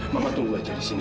mama tunggu aja di sini